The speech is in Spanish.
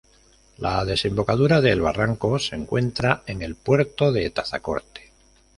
La desembocadura del barranco se encuentra en el Puerto de Tazacorte.